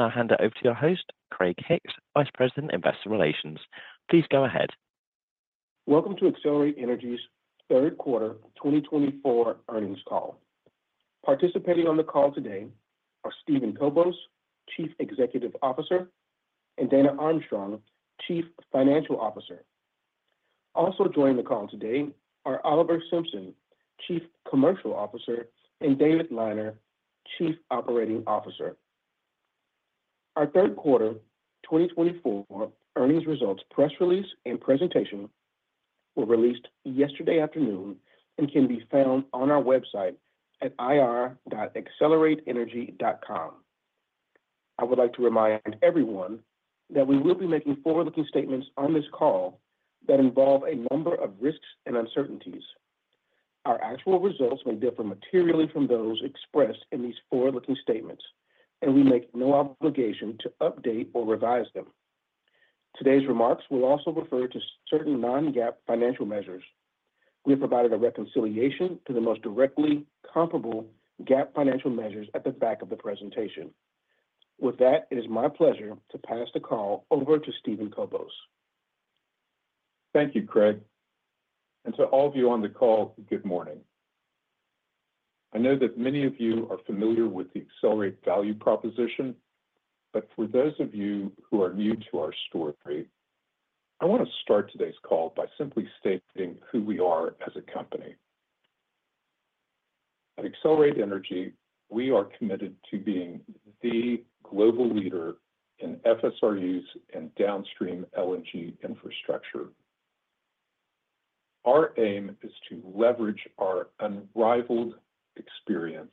I'll hand it over to your host, Craig Hicks, Vice President, Investor Relations. Please go ahead. Welcome to Excelerate Energy's Third Quarter 2024 Earnings Call. Participating on the call today are Steven Kobos, Chief Executive Officer, and Dana Armstrong, Chief Financial Officer. Also joining the call today are Oliver Simpson, Chief Commercial Officer, and David Liner, Chief Operating Officer. Our third quarter 2024 earnings results press release and presentation were released yesterday afternoon and can be found on our website at ir.excelerateenergy.com. I would like to remind everyone that we will be making forward-looking statements on this call that involve a number of risks and uncertainties. Our actual results may differ materially from those expressed in these forward-looking statements, and we make no obligation to update or revise them. Today's remarks will also refer to certain non-GAAP financial measures. We have provided a reconciliation to the most directly comparable GAAP financial measures at the back of the presentation. With that, it is my pleasure to pass the call over to Steven Kobos. Thank you, Craig. To all of you on the call, good morning. I know that many of you are familiar with the Excelerate value proposition, but for those of you who are new to our story, I want to start today's call by simply stating who we are as a company. At Excelerate Energy, we are committed to being the global leader in FSRUs and downstream LNG infrastructure. Our aim is to leverage our unrivaled experience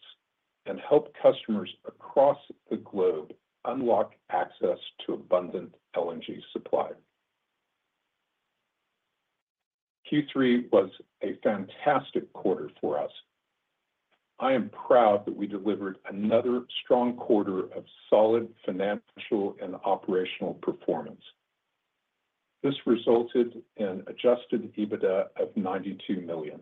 and help customers across the globe unlock access to abundant LNG supply. Q3 was a fantastic quarter for us. I am proud that we delivered another strong quarter of solid financial and operational performance. This resulted in adjusted EBITDA of $92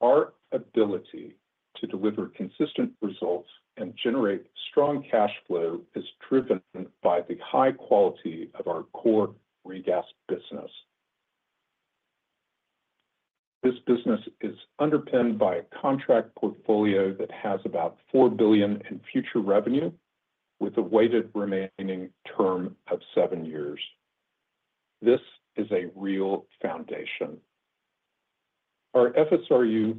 million. Our ability to deliver consistent results and generate strong cash flow is driven by the high quality of our core regas business. This business is underpinned by a contract portfolio that has about $4 billion in future revenue, with a weighted remaining term of seven years. This is a real foundation. Our FSRU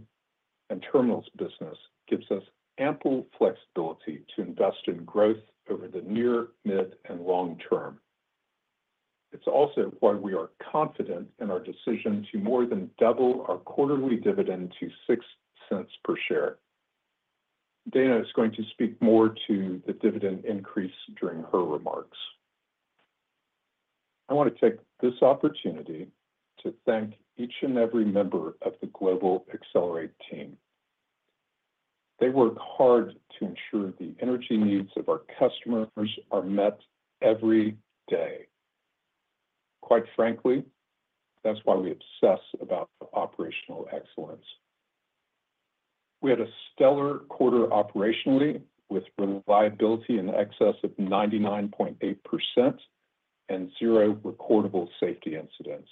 and terminals business gives us ample flexibility to invest in growth over the near, mid, and long term. It's also why we are confident in our decision to more than double our quarterly dividend to $0.06 per share. Dana is going to speak more to the dividend increase during her remarks. I want to take this opportunity to thank each and every member of the global Excelerate team. They work hard to ensure the energy needs of our customers are met every day. Quite frankly, that's why we obsess about operational excellence. We had a stellar quarter operationally with reliability in excess of 99.8% and zero recordable safety incidents.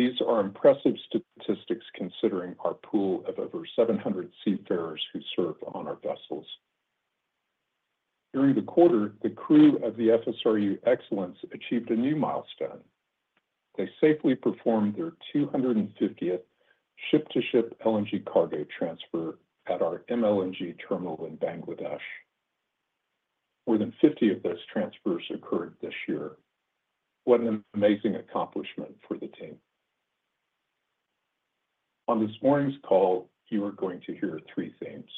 These are impressive statistics considering our pool of over 700 seafarers who serve on our vessels. During the quarter, the crew of the FSRU Excellence achieved a new milestone. They safely performed their 250th ship-to-ship LNG cargo transfer at our MLNG terminal in Bangladesh. More than 50 of those transfers occurred this year. What an amazing accomplishment for the team. On this morning's call, you are going to hear three themes.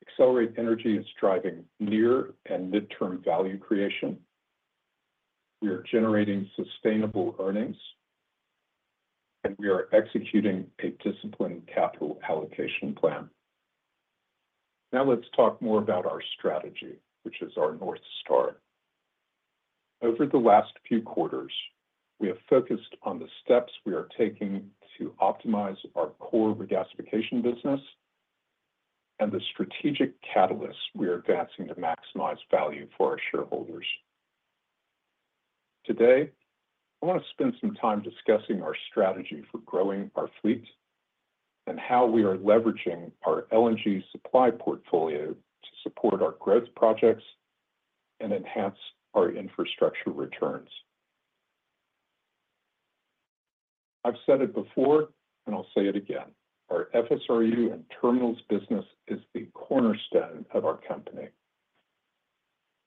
Excelerate Energy is driving near and mid-term value creation. We are generating sustainable earnings, and we are executing a disciplined capital allocation plan. Now let's talk more about our strategy, which is our North Star. Over the last few quarters, we have focused on the steps we are taking to optimize our core regasification business and the strategic catalysts we are advancing to maximize value for our shareholders. Today, I want to spend some time discussing our strategy for growing our fleet and how we are leveraging our LNG supply portfolio to support our growth projects and enhance our infrastructure returns. I've said it before, and I'll say it again. Our FSRU and terminals business is the cornerstone of our company.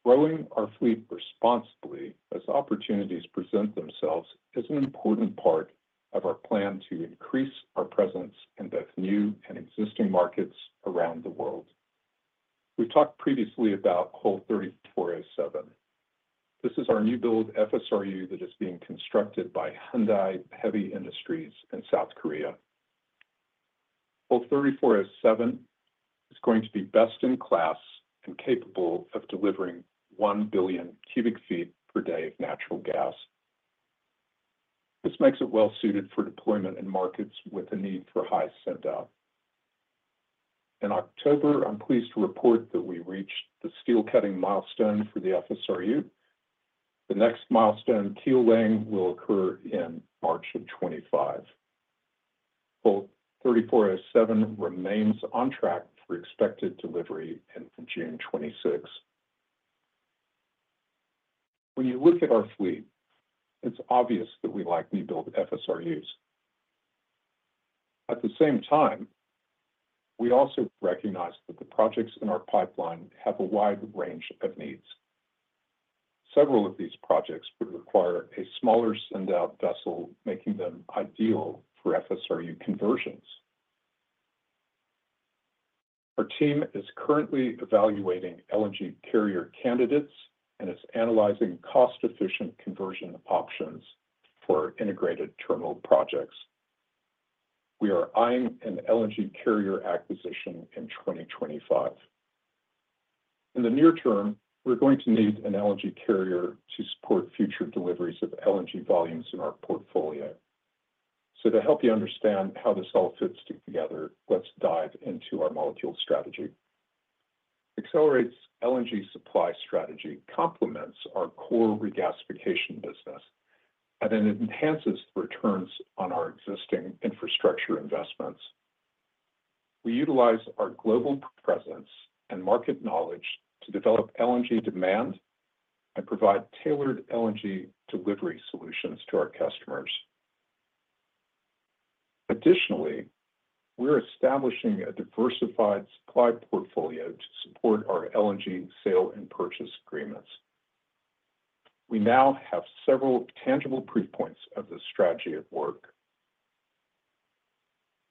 Growing our fleet responsibly as opportunities present themselves is an important part of our plan to increase our presence in both new and existing markets around the world. We've talked previously about Hull 3407. This is our new build FSRU that is being constructed by Hyundai Heavy Industries in South Korea. Hull 3407 is going to be best in class and capable of delivering one billion cubic feet per day of natural gas. This makes it well-suited for deployment in markets with a need for high send-out. In October, I'm pleased to report that we reached the steel cutting milestone for the FSRU. The next milestone, keel laying, will occur in March of 2025. Hull 3407 remains on track for expected delivery in June 2026. When you look at our fleet, it's obvious that we like new build FSRUs. At the same time, we also recognize that the projects in our pipeline have a wide range of needs. Several of these projects would require a smaller send-out vessel, making them ideal for FSRU conversions. Our team is currently evaluating LNG carrier candidates and is analyzing cost-efficient conversion options for integrated terminal projects. We are eyeing an LNG carrier acquisition in 2025. In the near term, we're going to need an LNG carrier to support future deliveries of LNG volumes in our portfolio. So to help you understand how this all fits together, let's dive into our molecule strategy. Excelerate's LNG supply strategy complements our core regasification business, and it enhances the returns on our existing infrastructure investments. We utilize our global presence and market knowledge to develop LNG demand and provide tailored LNG delivery solutions to our customers. Additionally, we're establishing a diversified supply portfolio to support our LNG sale and purchase agreements. We now have several tangible proof points of the strategy at work.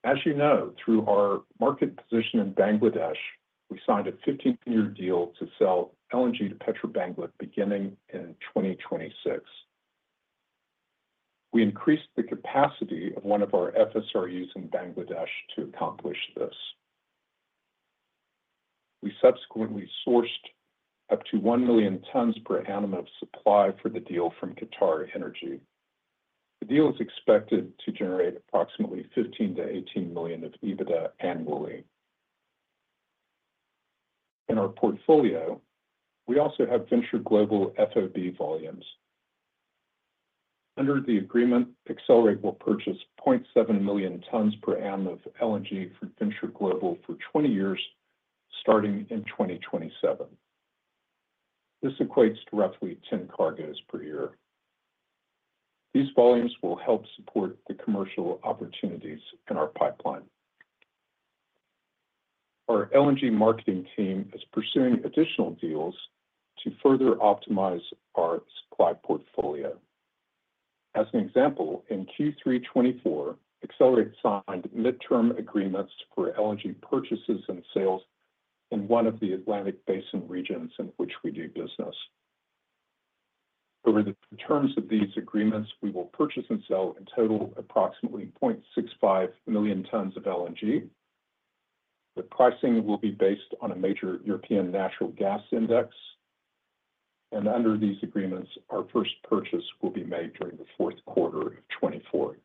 As you know, through our market position in Bangladesh, we signed a 15-year deal to sell LNG to Petrobangla beginning in 2026. We increased the capacity of one of our FSRUs in Bangladesh to accomplish this. We subsequently sourced up to 1 million tons per annum of supply for the deal from QatarEnergy. The deal is expected to generate approximately 15-18 million of EBITDA annually. In our portfolio, we also have Venture Global FOB volumes. Under the agreement, Excelerate will purchase 0.7 million tons per annum of LNG from Venture Global for 20 years, starting in 2027. This equates to roughly 10 cargoes per year. These volumes will help support the commercial opportunities in our pipeline. Our LNG marketing team is pursuing additional deals to further optimize our supply portfolio. As an example, in Q3 2024, Excelerate signed mid-term agreements for LNG purchases and sales in one of the Atlantic Basin regions in which we do business. Over the terms of these agreements, we will purchase and sell in total approximately 0.65 million tons of LNG. The pricing will be based on a major European natural gas index. Under these agreements, our first purchase will be made during the fourth quarter of 2024.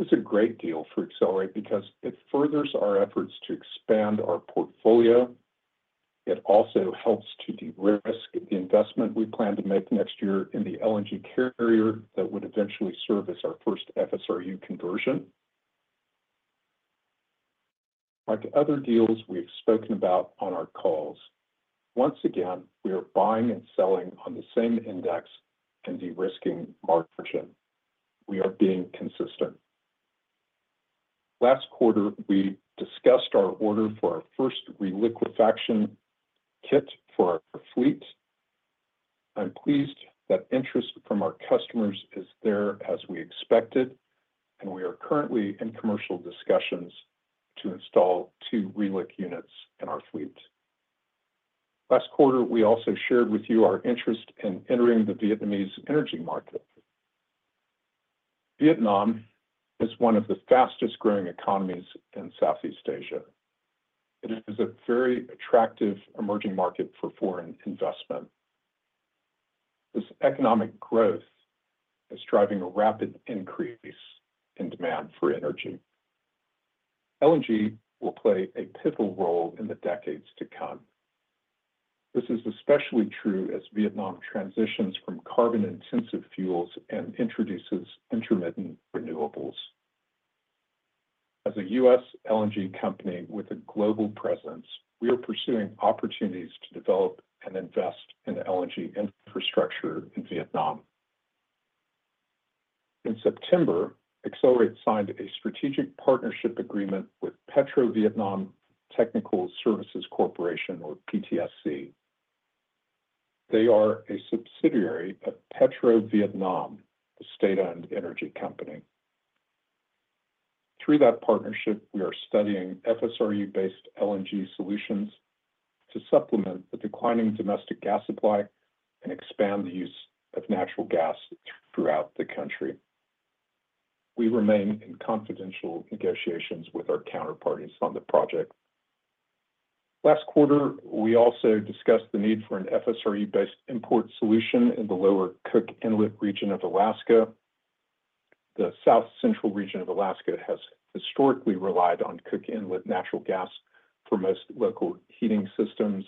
It's a great deal for Excelerate because it furthers our efforts to expand our portfolio. It also helps to de-risk the investment we plan to make next year in the LNG carrier that would eventually serve as our first FSRU conversion. Like other deals we've spoken about on our calls, once again, we are buying and selling on the same index and de-risking margin. We are being consistent. Last quarter, we discussed our order for our first reliquefaction kit for our fleet. I'm pleased that interest from our customers is there as we expected, and we are currently in commercial discussions to install two reliquefaction units in our fleet. Last quarter, we also shared with you our interest in entering the Vietnamese energy market. Vietnam is one of the fastest-growing economies in Southeast Asia. It is a very attractive emerging market for foreign investment. This economic growth is driving a rapid increase in demand for energy. LNG will play a pivotal role in the decades to come. This is especially true as Vietnam transitions from carbon-intensive fuels and introduces intermittent renewables. As a U.S. LNG company with a global presence, we are pursuing opportunities to develop and invest in LNG infrastructure in Vietnam. In September, Excelerate signed a strategic partnership agreement with PetroVietnam Technical Services Corporation, or PTSC. They are a subsidiary of PetroVietnam, the state-owned energy company. Through that partnership, we are studying FSRU-based LNG solutions to supplement the declining domestic gas supply and expand the use of natural gas throughout the country. We remain in confidential negotiations with our counterparties on the project. Last quarter, we also discussed the need for an FSRU-based import solution in the lower Cook Inlet region of Alaska. The south-central region of Alaska has historically relied on Cook Inlet natural gas for most local heating systems,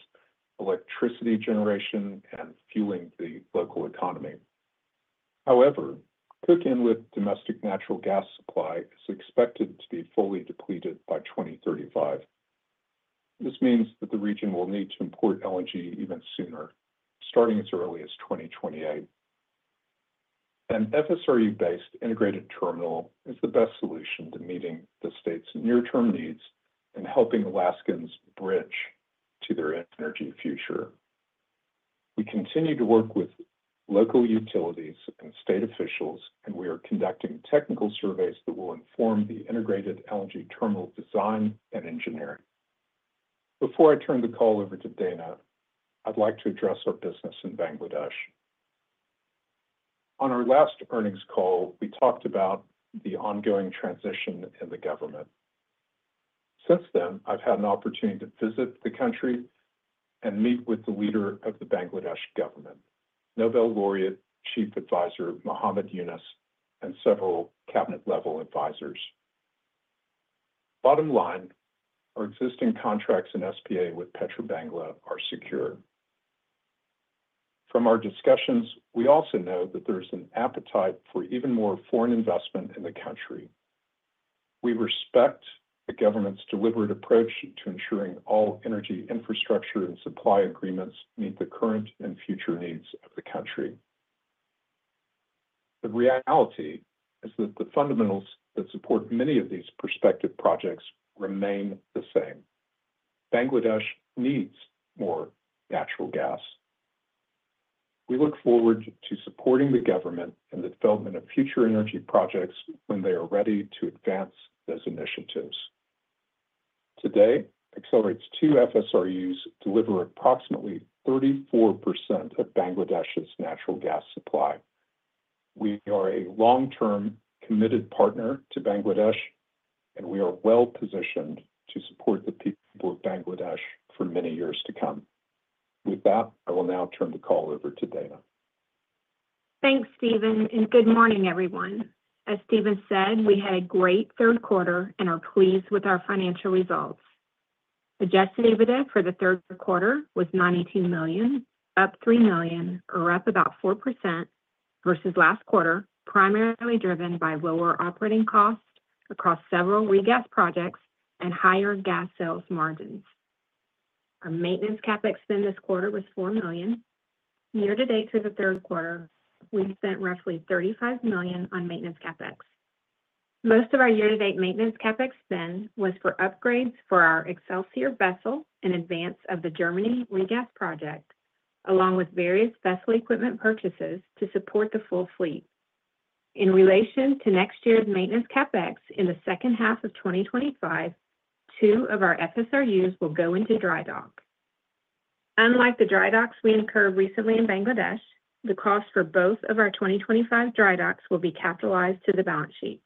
electricity generation, and fueling the local economy. However, Cook Inlet domestic natural gas supply is expected to be fully depleted by 2035. This means that the region will need to import LNG even sooner, starting as early as 2028. An FSRU-based integrated terminal is the best solution to meeting the state's near-term needs and helping Alaskans bridge to their energy future. We continue to work with local utilities and state officials, and we are conducting technical surveys that will inform the integrated LNG terminal design and engineering. Before I turn the call over to Dana, I'd like to address our business in Bangladesh. On our last earnings call, we talked about the ongoing transition in the government. Since then, I've had an opportunity to visit the country and meet with the leader of the Bangladesh government, Nobel Laureate Chief Adviser Muhammad Yunus, and several cabinet-level advisors. Bottom line, our existing contracts in SPA with Petrobangla are secure. From our discussions, we also know that there is an appetite for even more foreign investment in the country. We respect the government's deliberate approach to ensuring all energy infrastructure and supply agreements meet the current and future needs of the country. The reality is that the fundamentals that support many of these prospective projects remain the same. Bangladesh needs more natural gas. We look forward to supporting the government in the development of future energy projects when they are ready to advance those initiatives. Today, Excelerate's two FSRUs deliver approximately 34% of Bangladesh's natural gas supply. We are a long-term committed partner to Bangladesh, and we are well-positioned to support the people of Bangladesh for many years to come. With that, I will now turn the call over to Dana. Thanks, Steven, and good morning, everyone. As Steven said, we had a great third quarter and are pleased with our financial results. Adjusted EBITDA for the third quarter was $92 million, up $3 million, or up about 4% versus last quarter, primarily driven by lower operating costs across several regas projects and higher gas sales margins. Our maintenance CapEx spend this quarter was $4 million. Year-to-date for the third quarter, we spent roughly $35 million on maintenance CapEx. Most of our year-to-date maintenance CapEx spend was for upgrades for our Excelsior vessel in advance of the Germany regas project, along with various vessel equipment purchases to support the full fleet. In relation to next year's maintenance CapEx in the second half of 2025, two of our FSRUs will go into dry dock. Unlike the dry docks we incurred recently in Bangladesh, the cost for both of our 2025 dry docks will be capitalized to the balance sheet.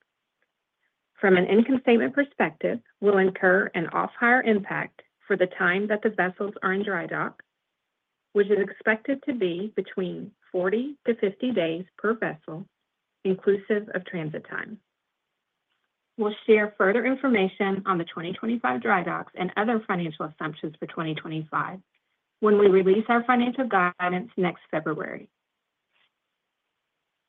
From an income statement perspective, we'll incur an off-hire impact for the time that the vessels are in dry dock, which is expected to be between 40-50 days per vessel, inclusive of transit time. We'll share further information on the 2025 dry docks and other financial assumptions for 2025 when we release our financial guidance next February.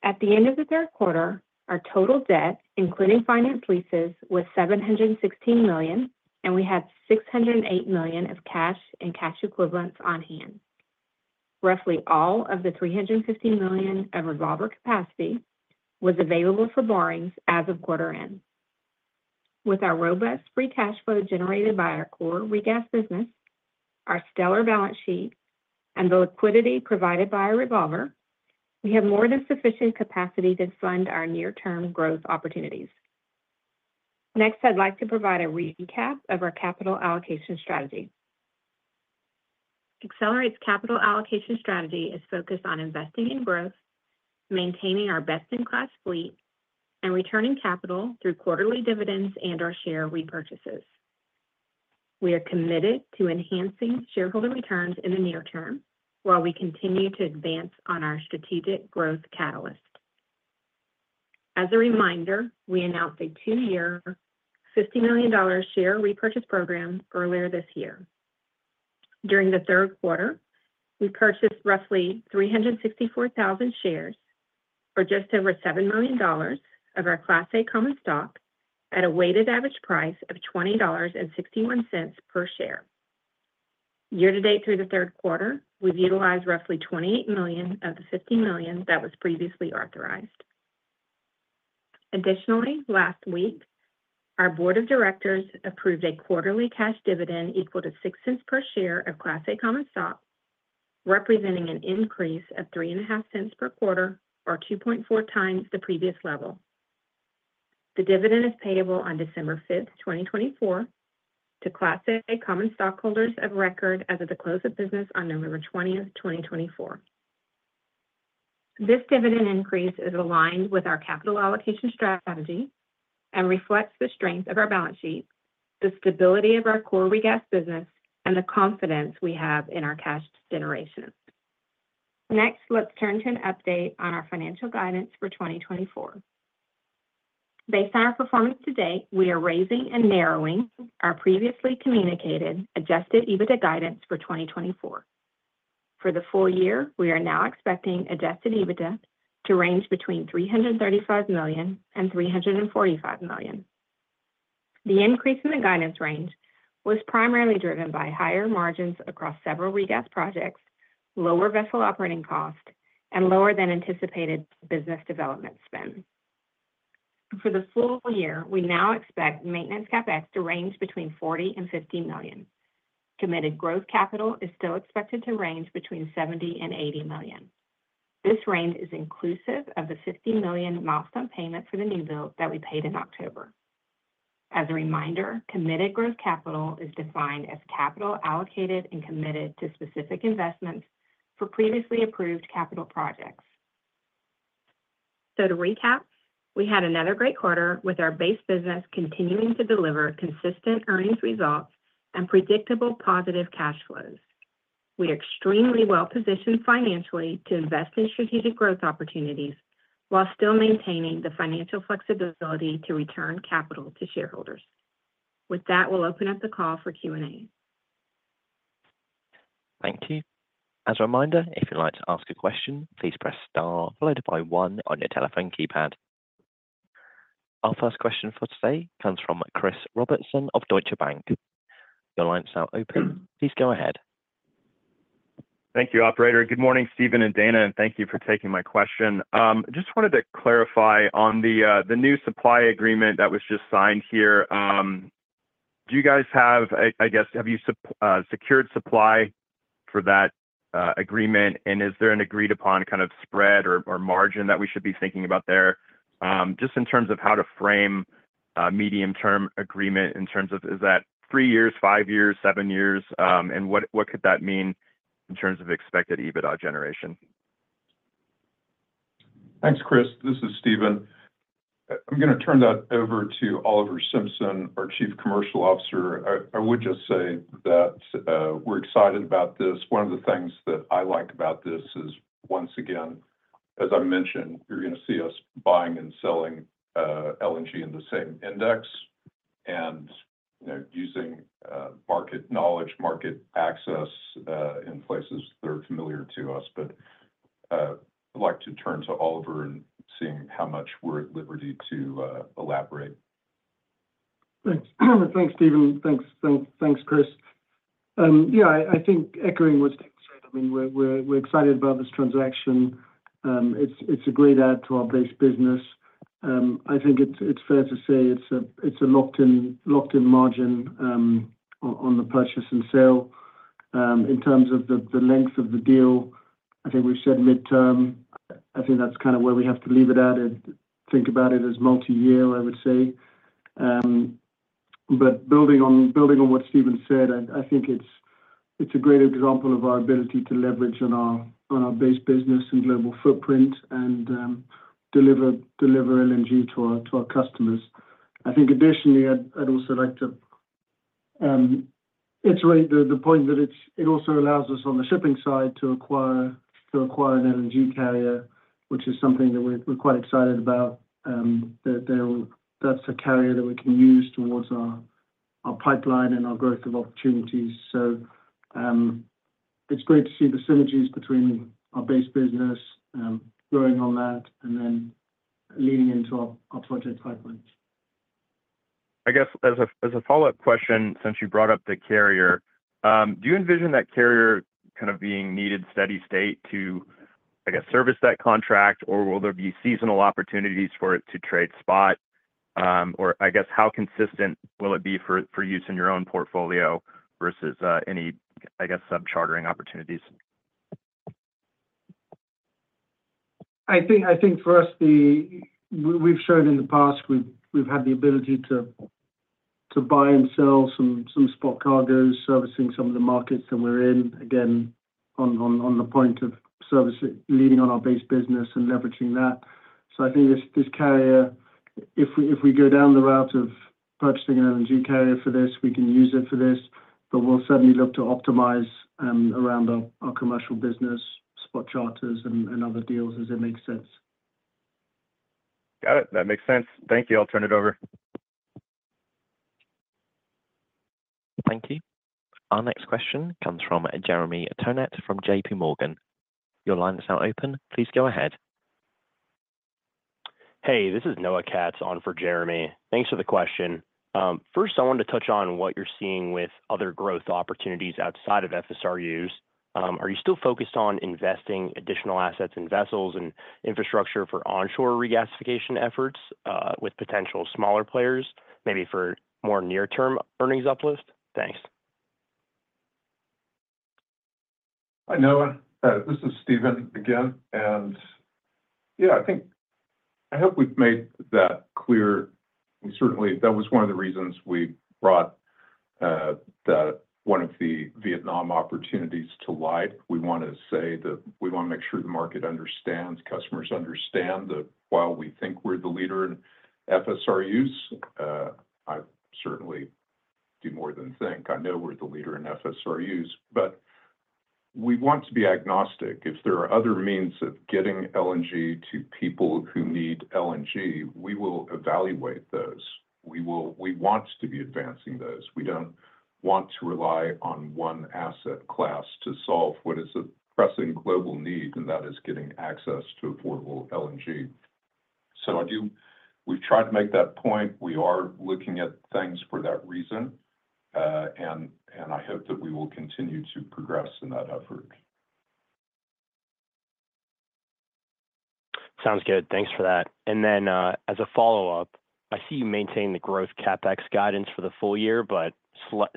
At the end of the third quarter, our total debt, including finance leases, was $716 million, and we had $608 million of cash and cash equivalents on hand. Roughly all of the $350 million of revolver capacity was available for borrowings as of quarter end. With our robust free cash flow generated by our core regas business, our stellar balance sheet, and the liquidity provided by our revolver, we have more than sufficient capacity to fund our near-term growth opportunities. Next, I'd like to provide a recap of our capital allocation strategy. Excelerate's capital allocation strategy is focused on investing in growth, maintaining our best-in-class fleet, and returning capital through quarterly dividends and our share repurchases. We are committed to enhancing shareholder returns in the near term while we continue to advance on our strategic growth catalyst. As a reminder, we announced a two-year $50 million share repurchase program earlier this year. During the third quarter, we purchased roughly 364,000 shares for just over $7 million of our Class A common stock at a weighted average price of $20.61 per share. Year-to-date through the third quarter, we've utilized roughly 28 million of the $50 million that was previously authorized. Additionally, last week, our board of directors approved a quarterly cash dividend equal to $0.06 per share of Class A common stock, representing an increase of $0.035 per quarter, or 2.4 times the previous level. The dividend is payable on December 5th, 2024, to Class A common stockholders of record as of the close of business on November 20th, 2024. This dividend increase is aligned with our capital allocation strategy and reflects the strength of our balance sheet, the stability of our core regas business, and the confidence we have in our cash generation. Next, let's turn to an update on our financial guidance for 2024. Based on our performance to date, we are raising and narrowing our previously communicated adjusted EBITDA guidance for 2024. For the full year, we are now expecting adjusted EBITDA to range between $335 million-$345 million. The increase in the guidance range was primarily driven by higher margins across several regas projects, lower vessel operating cost, and lower than anticipated business development spend. For the full year, we now expect maintenance CapEx to range between $40 million-$50 million. Committed growth capital is still expected to range between $70 million-$80 million. This range is inclusive of the $50 million milestone payment for the new build that we paid in October. As a reminder, committed growth capital is defined as capital allocated and committed to specific investments for previously approved capital projects. So to recap, we had another great quarter with our base business continuing to deliver consistent earnings results and predictable positive cash flows. We are extremely well-positioned financially to invest in strategic growth opportunities while still maintaining the financial flexibility to return capital to shareholders. With that, we'll open up the call for Q&A. Thank you. As a reminder, if you'd like to ask a question, please press star followed by one on your telephone keypad. Our first question for today comes from Chris Robertson of Deutsche Bank. Your line is now open. Please go ahead. Thank you, Operator. Good morning, Steven and Dana, and thank you for taking my question. I just wanted to clarify on the new supply agreement that was just signed here. Do you guys have, I guess, have you secured supply for that agreement? And is there an agreed-upon kind of spread or margin that we should be thinking about there? Just in terms of how to frame a medium-term agreement in terms of, is that three years, five years, seven years? And what could that mean in terms of expected EBITDA generation? Thanks, Chris. This is Steven. I'm going to turn that over to Oliver Simpson, our Chief Commercial Officer. I would just say that we're excited about this. One of the things that I like about this is, once again, as I mentioned, you're going to see us buying and selling LNG in the same index and using market knowledge, market access in places that are familiar to us. I'd like to turn to Oliver and see how much we're at liberty to elaborate. Thanks. Thanks, Steven. Thanks, Chris. Yeah, I think echoing what Steven said, I mean, we're excited about this transaction. It's a great add to our base business. I think it's fair to say it's a locked-in margin on the purchase and sale. In terms of the length of the deal, I think we've said midterm. I think that's kind of where we have to leave it at. Think about it as multi-year, I would say. Building on what Steven said, I think it's a great example of our ability to leverage on our base business and global footprint and deliver LNG to our customers. I think additionally, I'd also like to iterate the point that it also allows us on the shipping side to acquire an LNG carrier, which is something that we're quite excited about. That's a carrier that we can use towards our pipeline and our growth of opportunities. So it's great to see the synergies between our base business, growing on that, and then leading into our project pipeline. I guess as a follow-up question, since you brought up the carrier, do you envision that carrier kind of being needed steady state to, I guess, service that contract, or will there be seasonal opportunities for it to trade spot? Or I guess how consistent will it be for use in your own portfolio versus any, I guess, sub-chartering opportunities? I think for us, we've showed in the past we've had the ability to buy and sell some spot cargo servicing some of the markets that we're in, again, on the point of leading on our base business and leveraging that. So I think this carrier, if we go down the route of purchasing an LNG carrier for this, we can use it for this. But we'll certainly look to optimize around our commercial business, spot charters, and other deals as it makes sense. Got it. That makes sense. Thank you. I'll turn it over. Thank you. Our next question comes from Jeremy Tonet from J.P. Morgan. Your line is now open. Please go ahead. Hey, this is Noah Katz on for Jeremy. Thanks for the question. First, I wanted to touch on what you're seeing with other growth opportunities outside of FSRUs. Are you still focused on investing additional assets in vessels and infrastructure for onshore regasification efforts with potential smaller players, maybe for more near-term earnings uplift? Thanks. Hi, Noah. This is Steven again, and yeah, I think I hope we've made that clear. Certainly, that was one of the reasons we brought one of the Vietnam opportunities to light. We want to say that we want to make sure the market understands, customers understand that while we think we're the leader in FSRUs, I certainly do more than think. I know we're the leader in FSRUs, but we want to be agnostic. If there are other means of getting LNG to people who need LNG, we will evaluate those. We want to be advancing those. We don't want to rely on one asset class to solve what is a pressing global need, and that is getting access to affordable LNG. We've tried to make that point. We are looking at things for that reason, and I hope that we will continue to progress in that effort. Sounds good. Thanks for that. Then as a follow-up, I see you maintain the growth CapEx guidance for the full year, but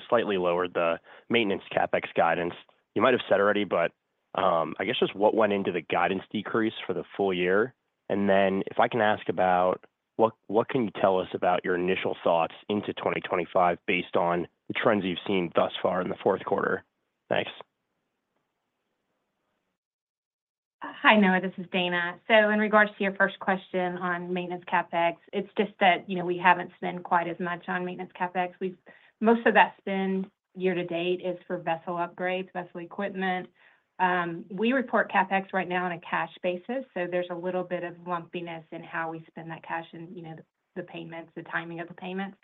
slightly lower the maintenance CapEx guidance. You might have said already, but I guess just what went into the guidance decrease for the full year? Then if I can ask about what can you tell us about your initial thoughts into 2025 based on the trends you've seen thus far in the fourth quarter? Thanks. Hi, Noah. This is Dana. In regards to your first question on maintenance CapEx, it's just that we haven't spent quite as much on maintenance CapEx. Most of that spend year-to-date is for vessel upgrades, vessel equipment. We report CapEx right now on a cash basis, so there's a little bit of lumpiness in how we spend that cash and the payments, the timing of the payments.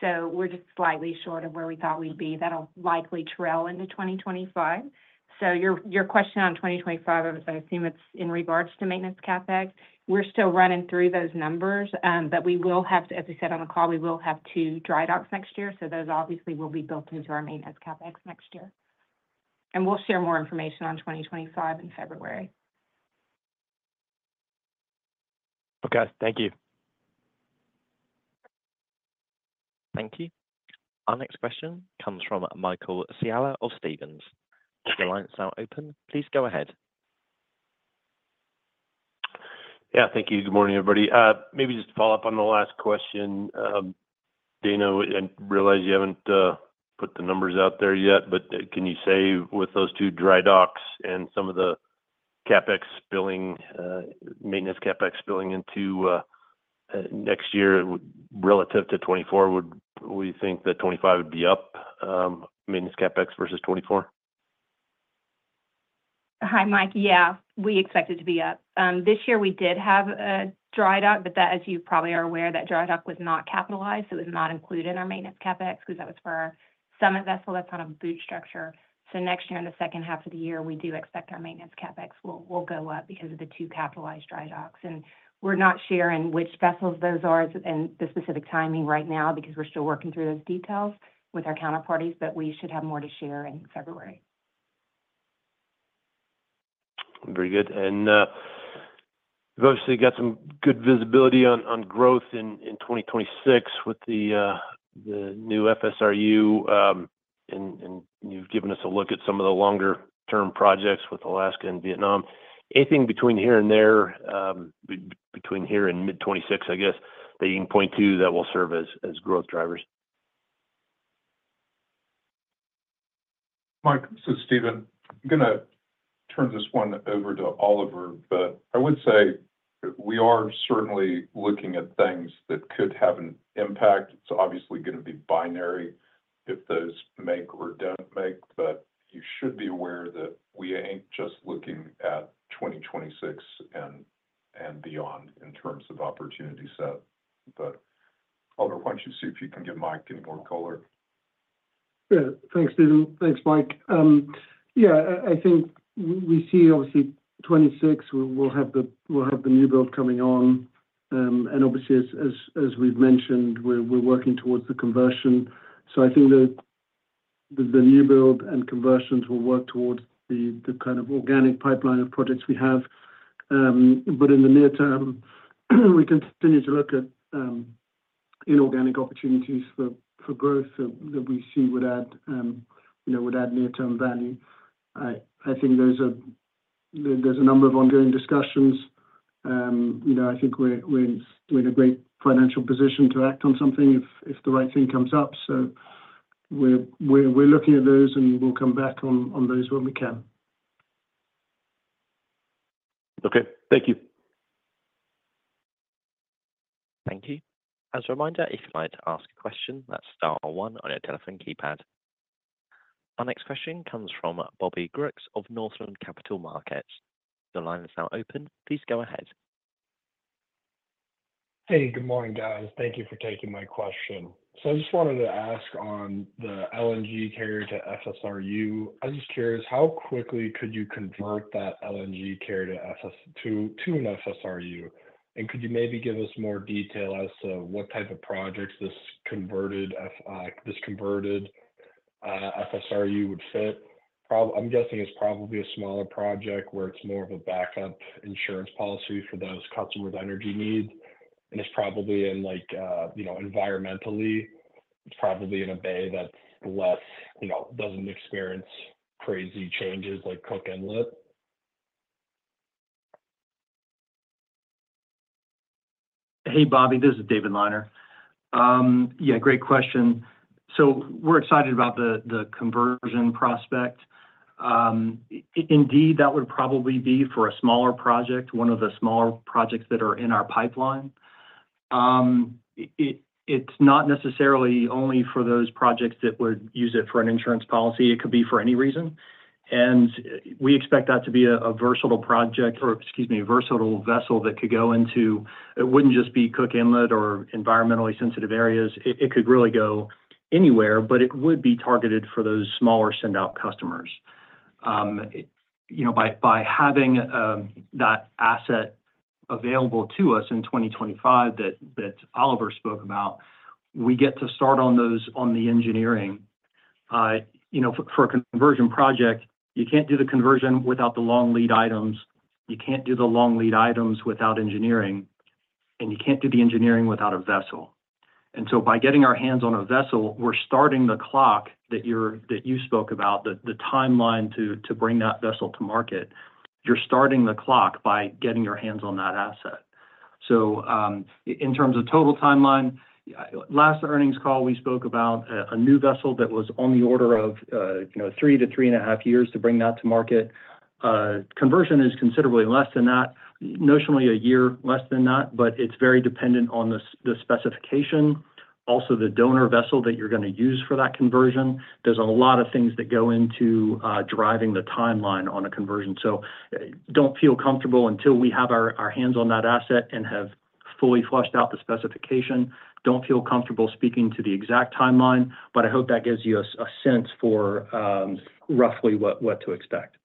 So we're just slightly short of where we thought we'd be. That'll likely trail into 2025. So your question on 2025, I assume it's in regards to maintenance CapEx. We're still running through those numbers, but we will have, as we said on the call, we will have two dry docks next year. So those obviously will be built into our maintenance CapEx next year. And we'll share more information on 2025 in February. Okay. Thank you. Thank you. Our next question comes from Michael Scialla of Stephens. Your line is now open. Please go ahead. Yeah. Thank you. Good morning, everybody. Maybe just to follow up on the last question, Dana, I realize you haven't put the numbers out there yet, but can you say with those two dry docks and some of the CapEx billing, maintenance CapEx billing into next year relative to 2024, would we think that 2025 would be up maintenance CapEx versus 2024? Hi, Michael. Yeah, we expect it to be up. This year, we did have a dry dock, but as you probably are aware, that dry dock was not capitalized. It was not included in our maintenance CapEx because that was for some of the vessel that's on a BOOT structure. So next year, in the second half of the year, we do expect our maintenance CapEx will go up because of the two capitalized dry docks. And we're not sharing which vessels those are and the specific timing right now because we're still working through those details with our counterparties, but we should have more to share in February. Very good. And you've obviously got some good visibility on growth in 2026 with the new FSRU, and you've given us a look at some of the longer-term projects with Alaska and Vietnam. Anything between here and there, between here and mid-2026, I guess, that you can point to that will serve as growth drivers? Michael, this is Steven. I'm going to turn this one over to Oliver, but I would say we are certainly looking at things that could have an impact. It's obviously going to be binary if those make or don't make, but you should be aware that we ain't just looking at 2026 and beyond in terms of opportunity set. But Oliver, why don't you see if you can give Michael any more color? Yeah. Thanks, Steven. Thanks, Michael. Yeah, I think we see obviously 2026 we'll have the new build coming on. And obviously, as we've mentioned, we're working towards the conversion. So I think the new build and conversions will work towards the kind of organic pipeline of projects we have. But in the near term, we continue to look at inorganic opportunities for growth that we see would add near-term value. I think there's a number of ongoing discussions. I think we're in a great financial position to act on something if the right thing comes up. So we're looking at those, and we'll come back on those when we can. Okay. Thank you. Thank you. As a reminder, if you'd like to ask a question, that's star one on your telephone keypad. Our next question comes from Bobby Brooks of Northland Capital Markets. The line is now open. Please go ahead. Hey, good morning, guys. Thank you for taking my question. So I just wanted to ask on the LNG carrier to FSRU. I was just curious, how quickly could you convert that LNG carrier to an FSRU? And could you maybe give us more detail as to what type of projects this converted FSRU would fit? I'm guessing it's probably a smaller project where it's more of a backup insurance policy for those customers' energy needs. And it's probably in a bay that doesn't experience crazy changes like Cook Inlet. Hey, Bobby, this is David Liner. Yeah, great question. So we're excited about the conversion prospect. Indeed, that would probably be for a smaller project, one of the smaller projects that are in our pipeline. It's not necessarily only for those projects that would use it for an insurance policy. It could be for any reason, and we expect that to be a versatile project or, excuse me, a versatile vessel that could go into it. It wouldn't just be Cook Inlet or environmentally sensitive areas. It could really go anywhere, but it would be targeted for those smaller send-out customers. By having that asset available to us in 2025 that Oliver spoke about, we get to start on the engineering. For a conversion project, you can't do the conversion without the long lead items. You can't do the long lead items without engineering, and you can't do the engineering without a vessel, and so by getting our hands on a vessel, we're starting the clock that you spoke about, the timeline to bring that vessel to market. You're starting the clock by getting your hands on that asset. So in terms of total timeline, last earnings call we spoke about a new vessel that was on the order of three to three and a half years to bring that to market. Conversion is considerably less than that, notionally a year less than that, but it's very dependent on the specification. Also, the donor vessel that you're going to use for that conversion does a lot of things that go into driving the timeline on a conversion. So don't feel comfortable until we have our hands on that asset and have fully fleshed out the specification. Don't feel comfortable speaking to the exact timeline, but I hope that gives you a sense for roughly what to expect.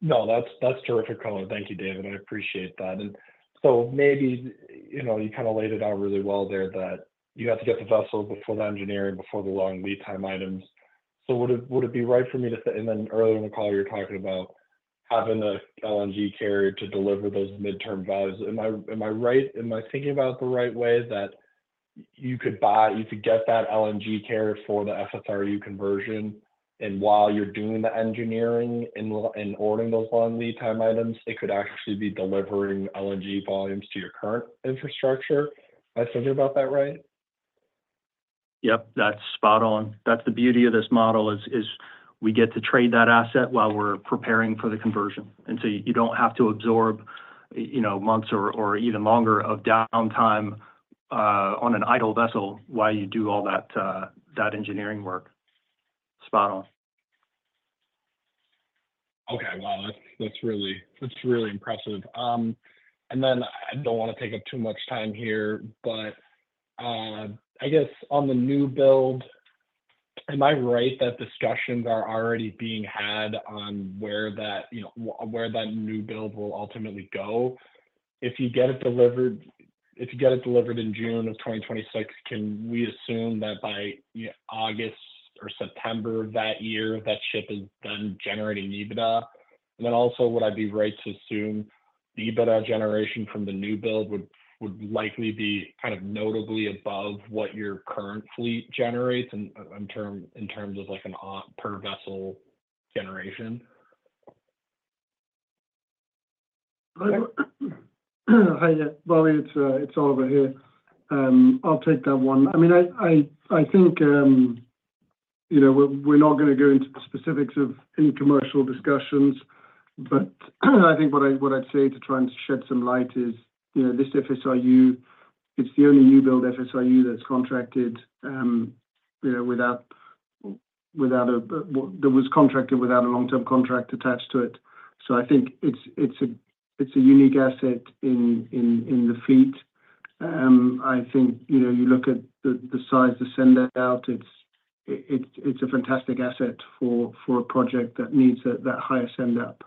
No, that's terrific color. Thank you, David. I appreciate that. And so, maybe you kind of laid it out really well there, that you have to get the vessel before the engineering, before the long lead time items. So, would it be right for me to say, and then earlier in the call, you're talking about having the LNG carrier to deliver those mid-term volumes. Am I right? Am I thinking about it the right way, that you could get that LNG carrier for the FSRU conversion? And while you're doing the engineering and ordering those long lead time items, it could actually be delivering LNG volumes to your current infrastructure. Am I thinking about that right? Yep. That's spot on. That's the beauty of this model, is we get to trade that asset while we're preparing for the conversion. And so you don't have to absorb months or even longer of downtime on an idle vessel while you do all that engineering work. Spot on. Okay. Wow, that's really impressive. And then I don't want to take up too much time here, but I guess on the new build, am I right that discussions are already being had on where that new build will ultimately go? If you get it delivered, if you get it delivered in June of 2026, can we assume that by August or September of that year, that ship is done generating EBITDA? And then also, would I be right to assume the EBITDA generation from the new build would likely be kind of notably above what your current fleet generates in terms of per-vessel generation? Hi there. Bobby, it's Oliver here. I'll take that one. I mean, I think we're not going to go into the specifics of any commercial discussions, but I think what I'd say to try and shed some light is this FSRU. It's the only new build FSRU that's contracted without a long-term contract attached to it. So I think it's a unique asset in the fleet. I think you look at the size, the send-out. It's a fantastic asset for a project that needs that higher send-out.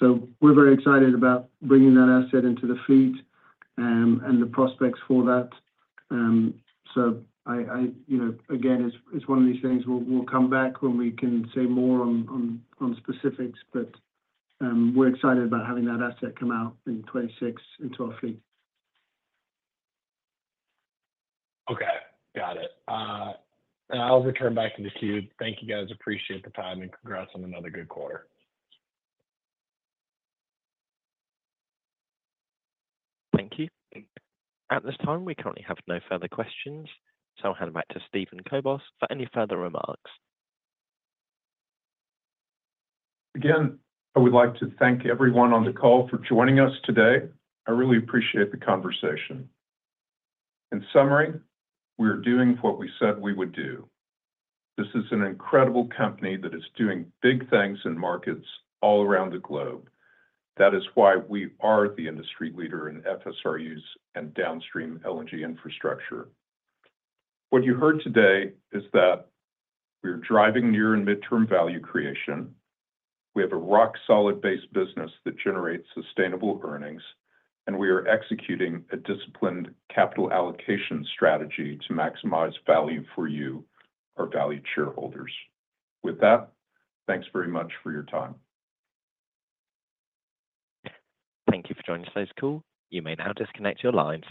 So we're very excited about bringing that asset into the fleet and the prospects for that. So again, it's one of these things we'll come back when we can say more on specifics, but we're excited about having that asset come out in 2026 into our fleet. Okay. Got it. And I'll return back to the queue. Thank you, guys. Appreciate the time and congrats on another good quarter. Thank you. At this time, we currently have no further questions. So I'll hand it back to Steven Kobos for any further remarks. Again, I would like to thank everyone on the call for joining us today. I really appreciate the conversation. In summary, we are doing what we said we would do. This is an incredible company that is doing big things in markets all around the globe. That is why we are the industry leader in FSRUs and downstream LNG infrastructure. What you heard today is that we are driving near and midterm value creation. We have a rock-solid base business that generates sustainable earnings, and we are executing a disciplined capital allocation strategy to maximize value for you, our value shareholders. With that, thanks very much for your time. Thank you for joining today's call. You may now disconnect your lines.